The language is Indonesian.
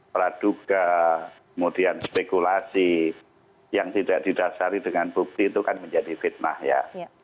praduga kemudian spekulasi yang tidak didasari dengan bukti itu kan menjadi fitnah ya